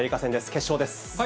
決勝です。